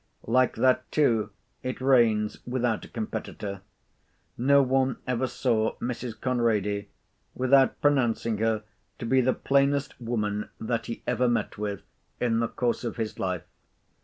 Like that too it reigns without a competitor. No one ever saw Mrs. Conrady, without pronouncing her to be the plainest woman that he ever met with in the course of his life.